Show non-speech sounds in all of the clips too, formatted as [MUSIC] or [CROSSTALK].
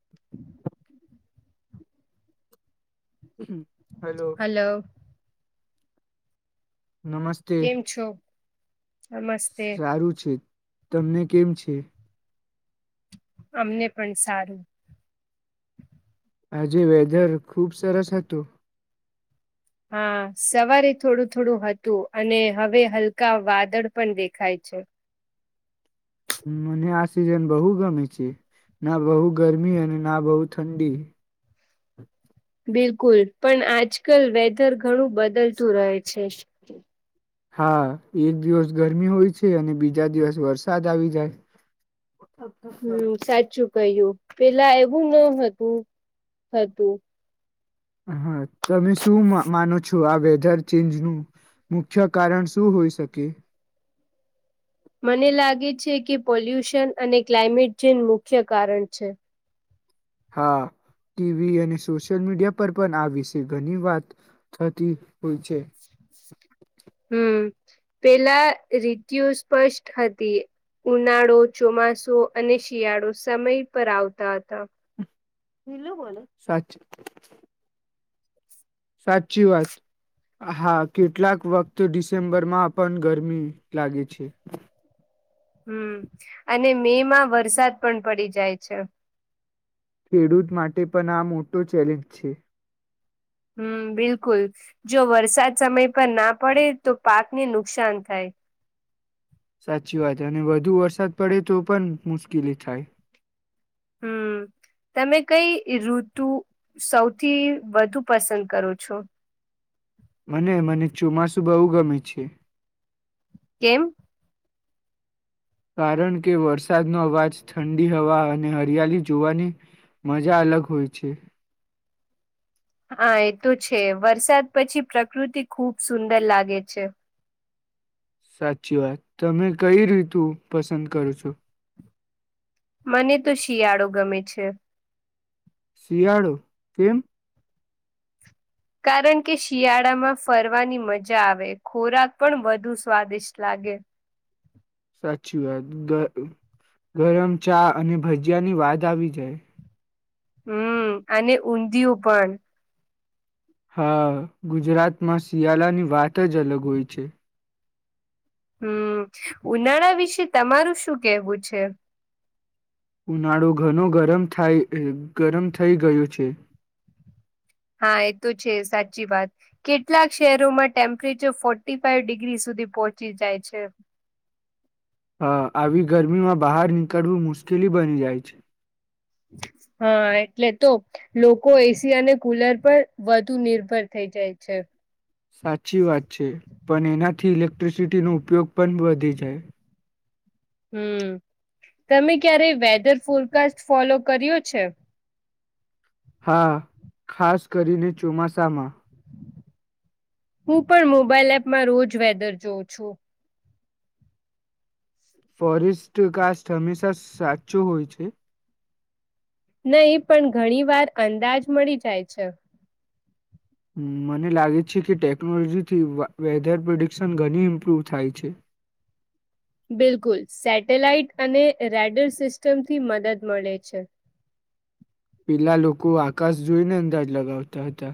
[INAUDIBLE] હમ hello નમસ્તે કેમ છો નમસ્તે સારું છે. તમને કેમ છે અમને પણ સારું આજે વેધર ખૂબ સરસ હતું હા સવારે થોડું થોડું હતું અને હવે હલકા વાદળ પણ દેખાય છે મને આ સિઝન બહુ ગમે છે ના બહુ ગરમી અને ના બહુ ઠંડી બિલકુલ પણ આજ કલ વેધર ઘણું બદલતું રહે છે હા એક દિવસ ગરમી હોય છે અને બીજા દિવસ વરસાદ આવી જાય હમ સાચું કહ્યું પેલા એવું ન હતું હતું હા તમે શું મા માનો છો આ વેધર ચેન્જનું મુખ્ય કારણ શું હોઈ શકે મને લાગે છે કે પોલ્યુશન અને ક્લાઇમેટ ચેન મુખ્ય કારણ છે હા ટીવી અને સોશિયલ મીડિયા પર પન આ વિષે ઘની વાત થતી હોય છે હમ પેલા રીતિઓ સ્પષ્ટ હતી ઉનાળો ચોમાસુ અને શિયાળો સમય પર આવતા હતા [UNINTELLIGIBLE] સાચી વાત હા કેટલાક વખતો ડિસેમ્બરમાં પણ ગરમી લાગે છે હમ અને મે માં વરસાદ પણ પડી જાય છે ખેડૂત માટે પન આ મોટો ચેલેન્જ છે હમ બિલકુલ જો વરસાદ સમય પર ના પડે તો પાકને નુકસાન થાય સાચી વાત અને વધુ વરસાદ પડે તો પન મુશ્કેલી થાય હમ તમે કઈ ઋતુ સૌથી વધુ પસંદ કરો છો મને મને ચોમાસું બહુ ગમે છે કેમ કારણ કે વરસાદનો અવાજ ઠંડી હવા અને હરિયાળી જોવાની મજા અલગ હોય છે હા એ તો છે વરસાદ પછી પ્રકૃતિ ખુબ સુંદર લાગે છે સાચી વાત તમે કઈ ઋતુ પસંદ કરો છો મને તો શિયાળો ગમે છે શિયાળો કેમ કારણ કે શિયાળામાં ફરવાની મજા આવે ખોરાક પણ વધુ સ્વાદિષ્ટ લાગે સાચી વાત ગ ગરમ ચા અને ભજીયા ની વાત આવી જાય હમ અને ઊંધિયું પણ હા ગુજરાતમાં શિયાલાની વાત જ અલગ હોય છે હમ ઉનાળા વિશે તમારું શું કેહેવું છે ઉનાળુ ઘનુ ગરમ થાઈ થઈ ગયું છે હા એ તો છે સાચી વાત કેટલાક શહેરોમાં ટેમ્પરેચર ફોર્ટી ફાઈવ ડિગ્રી સુધી પહોંચી જાય છે હ આવી ગરમીમાં બહાર નીકળવું મુશ્કેલી બની જાય છે. હા એટલે તો લોકો એસી અને કુલર પર વધુ નિર્ભર થઈ જાય છે. થી ઇલેક્ટ્રિસિટીનો ઉપયોગ પણ વધી જાય હમ તમે ક્યારે વેધર ફોરકાસ્ટ ફોલો કર્યો છે હા ખાસ કરીને ચોમાસામાં હું પણ મોબાઈલ એપમાં રોજ વેધર જોઉં છું ફોરેસ્ટ કાસ્ટ હંમેશા સાચો હોય છે નહી પણ ઘણી વાર અંદાજ મળી જાય છે. મને લાગે છે. કે ટેકનોલોજીથી વેધર પ્રિડિક્શન ઘણી ઇમ્પ્રુવ થાય છે. બિલકુલ સેટેલાઇટ અને રેડર સિસ્ટમથી મદદ મળે છે પેલા લોકો આકાશ જોઈને અંદાજ લગાવતા હતા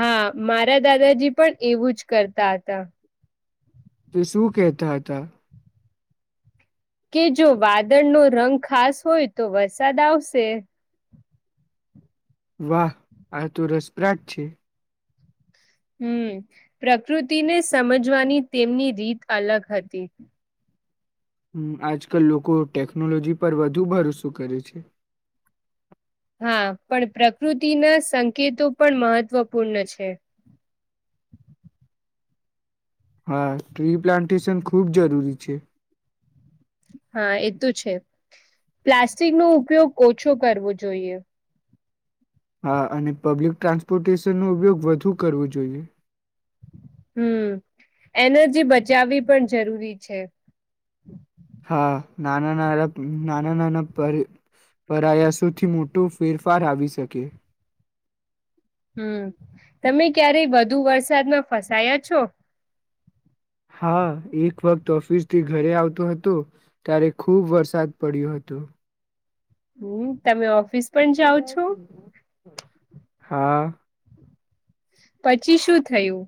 હા મારા દાદાજી પણ એવું જ કરતા હતા તો શું કેહતા હતા કે જો વાદળનો રંગ ખાસ હોય તો વરસાદ આવશે વાહ આ તો રસપ્રાટ છે હમ પ્રકૃતિને સમજવાની તેમની રીત અલગ હતી આજ કલ લોકો ટેકનોલોજી પર વધુ ભરોસો કરે છે હા પણ પ્રકૃતિના સંકેતો પણ મહત્વપૂર્ણ છે હા ટ્રી પ્લાન્ટેશન ખૂબ જરૂરી છે હા એ તો છે પ્લાસ્ટિક નો ઉપયોગ ઓછો કરવો જોઈએ હા અને પબ્લિક ટ્રાન્સપોર્ટેશનનો ઉપયોગ વધુ કરવો જોઈએ હમ એનર્જી બચાવવી પણ જરૂરી છે હા નાના નાના નાના નાના પર પરાયાસોથી મોટો ફેરફાર આવી શકે હમ તમે ક્યારેય વધુ વરસાદમાં ફસાયા છો હા એક વખત ઓફિસથી ઘરે આવતો હતો ત્યારે ખુબ વરસાદ પડ્યો હતો હમ તમે ઓ હા પછી શું થયું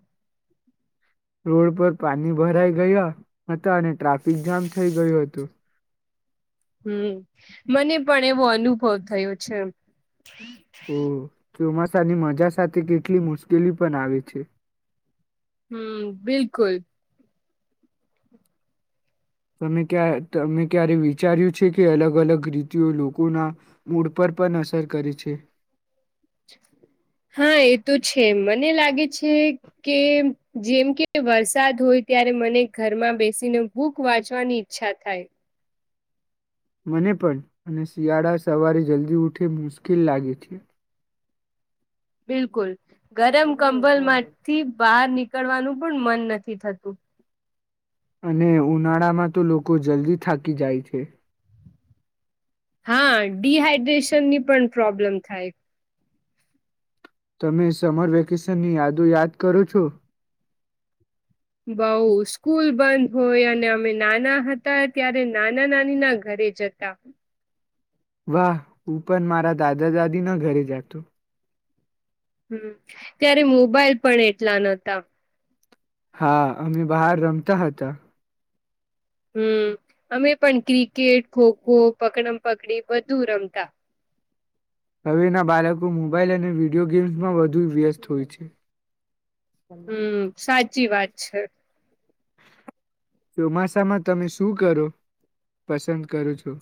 રોડ પર પાણી ભરાઈ ગયા હતા અને ટ્રાફિક જામ થઈ ગયું હતું. [INAUDIBLE] [INAUDIBLE] હમ મને પણ એવો અનુભવ થયો છે હમ ચોમાસાની મજા સાથે કેટલી મુશ્કેલી પણ આવે છે હમ બિલકુલ તમે ક્યાં તમે ક્યારે વિચાર્યું છે કે અલગ અલગ રીતિઓ લોકોના મૂળ પર પણ અસર કરે છે હા એ તો છે મને લાગે છે કે જેમ કે વરસાદ હોય ત્યારે મને ઘરમાં બેસીને બુક વાંચવાની ઈચ્છા થાય મને પણ મને શિયાળા સવારે જલ્દી ઉઠી મુશ્કેલ લાગે છે બિલકુલ ગરમ કંબલ માંથી બહાર નીક નિકડવાનુ પણ મન નથી થતું અને ઉનાળામાં તો લોકો જલ્દી થાકી જાય છે હા ડીહાઈડ્રેશન ની પણ પ્રોબ્લેમ થાય તમે સમર વેકેશન ની યાદો યાદ કરો છો બઉ સ્કૂલ બંધ હોય અને અમે નાના હતા ત્યારે નાના નાની ના ઘરે જતા વાહ હું પણ મારા દાદા દાદી ના ઘરે જાતો. ત્યારે મોબાઈલ પણ એટલા નહતા. હા અમે બહાર રમતા હતા. હમ અમે પણ ક્રિકેટ ખોખો પકડમ પકડી બધું રમતા. હવેના બાળકો મોબાઈલ અને વિડિયો ગેમ્સમાં વધુ વ્યસ્ત હોય છે. હમ સા ચી વાત છે. ચોમાસામાં તમે શું કરો પસંદ કરો છો.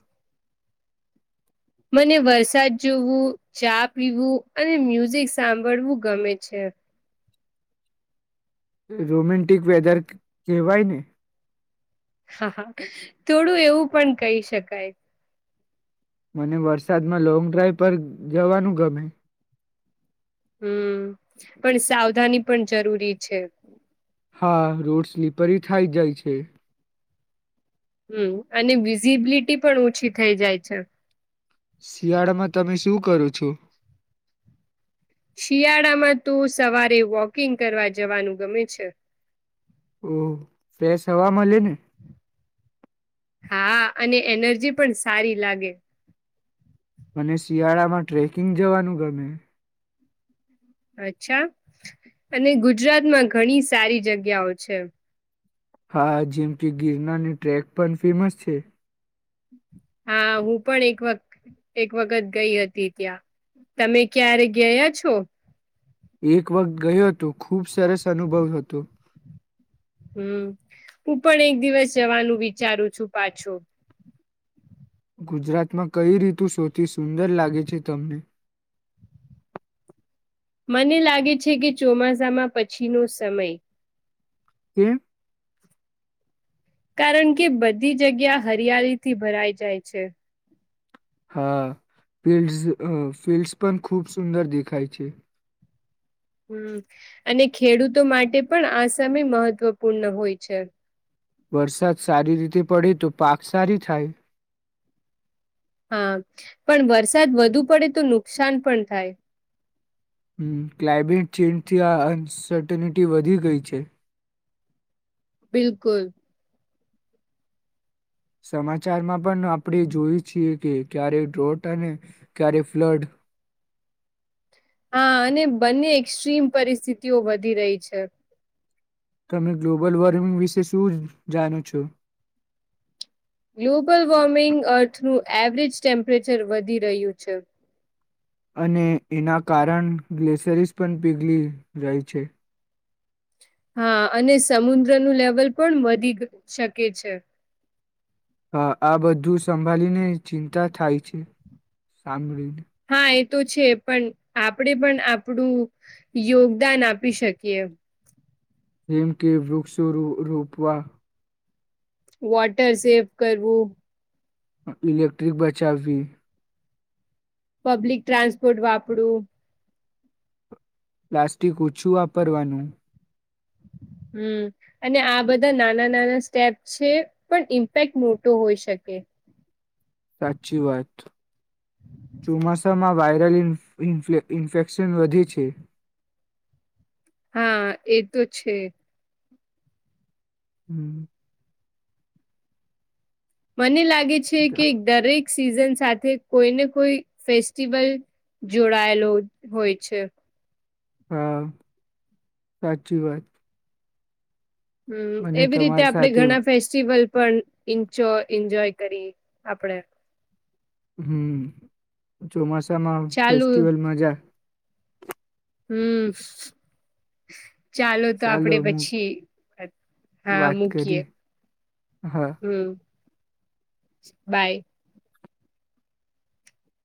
મને વરસાદ જોવું ચા પીવું અને મ્યુઝિક સાંભળવું ગમે છે. રોમેન્ટિક વેદર કહેવાય ને. હા હા થોડું એવું પણ કહી શકાય. મને વરસાદમાં લોંગ ડ્રાઈવ પર જવાનું ગમે. હમ પણ સાવધાની પણ જરૂરી છે. હા રોડ સ્લીપરી થાય જાય છે. હમ અને વિઝિબિલિટી પણ ઓછી થઈ જાય છે. શિયાળામાં તમે શું કરો છો. શિયાળામાં તો સવારે વોકિંગ કરવા જવાનું ગમે છે. ઓ ફેસ હવા મલે ને. હા અને એનર્જી પણ સારી લાગે. મને શિયાળામાં ટ્રેકિંગ જવાનું ગમે. અચ્છા અને ગુજરાતમાં ઘણી સારી જગ્યાઓ છે. હા જેમ કે ગિરનારની ટ્રેક પણ ફેમસ છે. હા હું પણ એક વક એક વખત ગઈ હતી ત્યાં તમે ક્યારે ગયા છો. એક વખ ગયો હતો ખૂબ સરસ અનુભવ હતો. હમ હું પણ એક દિવસ જવાનું વિચારું છું પાછું. ગુજરાતમાં કઈ રીતુ શોથી સુંદર લાગે છે તમને. મને લાગે છે કે ચોમાસામાં પછીનો સમય. કેમ. કારણ કે બધી જગ્યા હરિયાળી થી ભરાઈ જાય છે. હા ફિલ્ડસ અ ફિલ્ડસ પણ ખૂબ સુંદર દેખાય છે. હમ અને ખેડૂતો માટે પણ આ સમય મહત્વપૂર્ણ હોય છે. વરસાદ સારી રીતે પડે તો પાક સારી થાય. હા પણ વરસાદ વધુ પડે તો નુકસાન પણ થાય. ક્લાઇમેટ ચેન્જથી આ અનસર્ટનિટી વધી ગઈ છે. બિલકુલ. સમાચારમાં પણ આપણે જોઈ છીએ કે ક્યારેક ડ્રોટ અને ક્યારેક ફ્લડ. હા અને બંને એક્સ્ટ્રીમ પરિસ્થિતિઓ વધી રહી છે. તમે ગ્લોબલ વોર્મિંગ વિશે શું જાણો છો. ગ્લોબલ વોર્મિંગ અર્થનું એવરેજ ટેમ્પરેચર વધી રહ્યું છે. અને એના કારણ ગ્લેસરીસ પણ પીગળી રહી છે. હા અને સમુદ્રનું લેવલ પણ વધી ગ શકે છે. હા આ બધું સંભાળીને ચિંતા થાય છે સાંભળીને. હા એ તો છે પણ આપણેે પણ આપણું યોગદાન આપી શકીએ. હેમ કે વૃક્ષ રો રૂપવા. વોટર સેવ કરવું. ઇલેક્ટ્રિ બચાવવી. પબ્લિક ટ્રાન્સપોર્ટ વાપરું. પ્લાસ્ટિક ઓછું વાપરવાનું. હમ અને આ બધા નાના નાના સ્ટેપ છે પણ ઇમ્પેક્ટ મોટો હોઈ શકે. સાચી વાત. ચોમાસામાં વાયરલ ઇનફે ઇન્ફેક્શન વધે છે. હા એ તો છે. હમ. મને લા ગે છે કે દરેક સિઝન સાથે કોઈને કોઈ ફેસ્ટિવલ જોડાયેલો હોય છે. હા સાચી વાત. હમ અને એવી રીતે તમારી આપડે સાથે ઘણા ફેસ્ટિવલ. પણ ઇચો એન્જોય કરી આપડે. હમ. ચોમાસું સમા ચાલુ ફેસ્ટિવલમાં જા હમ. ચાલો તો આપડે પછી હા વાત મૂકીએ કરી હા. હમ. બાય.